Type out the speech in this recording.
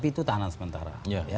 itu tahanan sementara